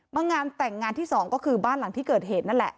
มางานแต่งงานที่๒ก็คือบ้านหลังที่เกิดเหตุนั่นแหละ